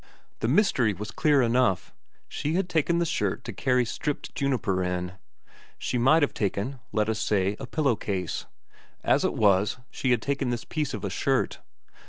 The mystery was clear enough; she had taken the shirt to carry stripped juniper in. She might have taken let us say, a pillow case; as it was, she had taken this piece of a. shirt.